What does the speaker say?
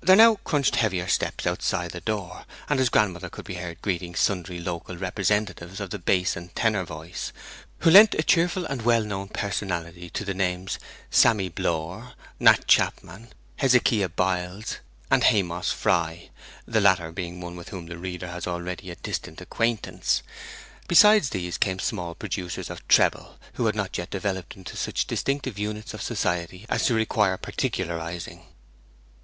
There now crunched heavier steps outside the door, and his grandmother could be heard greeting sundry local representatives of the bass and tenor voice, who lent a cheerful and well known personality to the names Sammy Blore, Nat Chapman, Hezekiah Biles, and Haymoss Fry (the latter being one with whom the reader has already a distant acquaintance); besides these came small producers of treble, who had not yet developed into such distinctive units of society as to require particularizing.